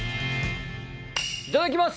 いただきます！